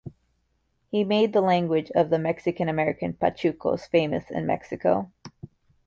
He made the language of the Mexican American pachucos famous in Mexico.